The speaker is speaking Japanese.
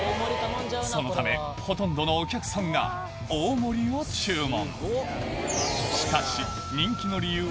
そのためほとんどのお客さんが大盛りを注文